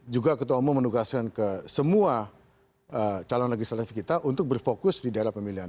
juga ketua umum menugaskan ke semua calon legislatif kita untuk berfokus di daerah pemilihan